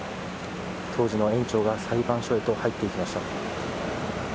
当時の園長が裁判所へと入っていきました。